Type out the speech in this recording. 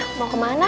hebat mau ke mana